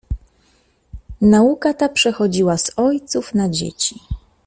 "Nauka ta przechodziła z ojców na dzieci."